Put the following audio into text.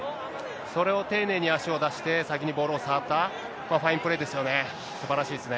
それを丁寧に足を出して、先にボールを触った、ファインプレーですよね、すばらしいですね。